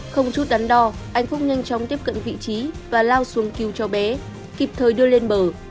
không chút đắn đo anh phúc nhanh chóng tiếp cận vị trí và lao xuống cứu cho bé kịp thời đưa lên bờ